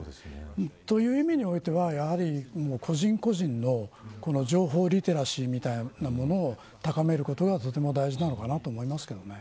という意味においては、やはり個人個人の情報リテラシーみたいなものを高めることがとても大事なのかなと思います。